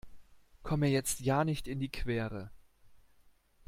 Komm mir jetzt ja nicht in die Quere!